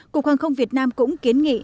cục hàng không việt nam cũng kiến nghị